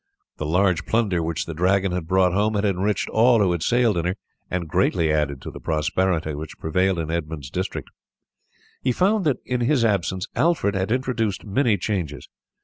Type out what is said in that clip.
The large plunder which the Dragon had brought home had enriched all who had sailed in her, and greatly added to the prosperity which prevailed in Edmund's district. He found that in his absence Alfred had introduced many changes.